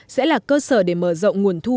sẽ là cơ sở để mở rộng nguồn thu